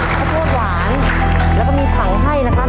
ข้าวโพดหวานแล้วก็มีถังให้นะครับ